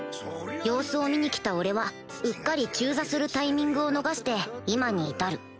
様子を見に来た俺はうっかり中座するタイミングを逃して今に至る